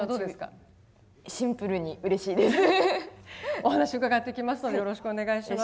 お話伺っていきますのでよろしくお願いします。